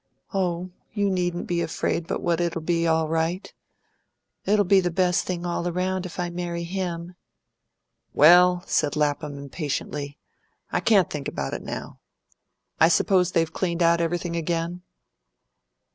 "Oh, you needn't be afraid but what it'll be all right. It'll be the best thing all round, if I can marry him." "Well!" said Lapham impatiently; "I can't think about it now. I suppose they've cleaned everything out again?"